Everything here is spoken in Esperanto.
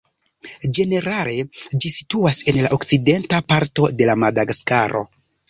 Ĝenerale, ĝi situas en la okcidenta parto de Madagaskaro.